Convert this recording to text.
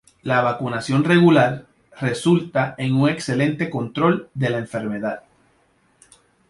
La vacunación regular resulta en un excelente control de la enfermedad.